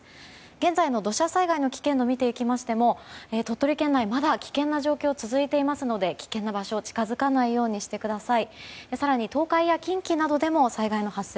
現在の土砂災害の危険度を見てみましても鳥取県内まだ危険な状況続いていますので危険な場所近づかないようにしてください。